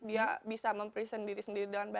dia bisa mempresent diri sendiri dalam pertemuan